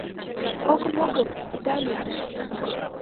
— Огым, огым, ида лӱд.